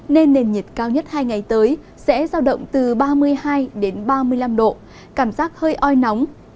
nên nền nhiệt cao nhất hai ngày tới sẽ giao động từ ba mươi hai ba mươi năm độ cảm giác hơi oi nóng